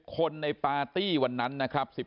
คนในปาร์ตี้วันนั้นนะครับ